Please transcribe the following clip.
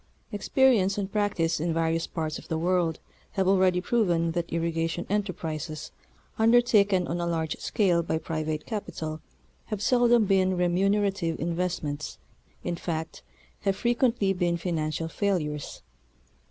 Experience and practice in various parts of the world have already proven that irrigation enterprises, undertaken on a large scale by private capital have seldom been remunerative invest ments, in fact, have frequently been financial failures.